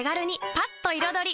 パッと彩り！